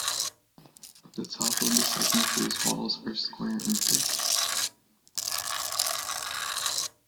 The top of the second phase walls are square and thick.